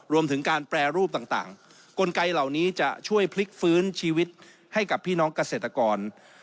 รวมถึงการแปรรูปต่างกลไกเหล่านี้จะช่วยพลิกฟื้นชีวิตให้กับพี่น้องเกษตรกร